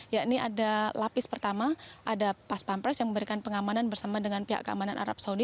ya ini ada lapis pertama ada pass pampers yang memberikan pengamanan bersama dengan pihak keamanan arab saudi